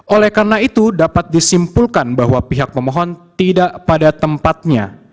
oleh karena itu dapat disimpulkan bahwa pihak pemohon tidak pada tempatnya